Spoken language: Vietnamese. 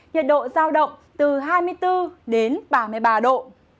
nhiệt độ giao động từ hai mươi bốn đến ba mươi ba độ